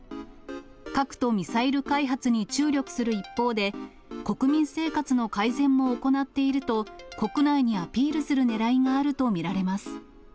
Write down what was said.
核とミサイル開発に注力する一方で、国民生活の改善も行っていると、国内にアピールするねらいがあると見られます。